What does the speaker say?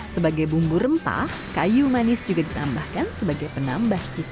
sebagai bumbu rempah kayu manis juga ditambahkan sebagai penambah cita